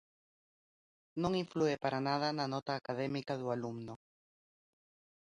Non inflúe para nada na nota académica do alumno.